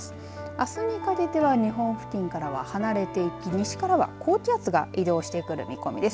あすにかけては日本付近からは離れていき西からは高気圧が移動してくる見込みです。